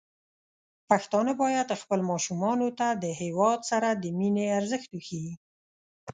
پښتانه بايد خپل ماشومان ته د هيواد سره د مينې ارزښت وښيي.